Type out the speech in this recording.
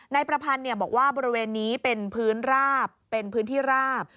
นายประพันธ์บอกว่าบริเวณนี้เป็นพื้นราบเป็นพื้นที่ราบ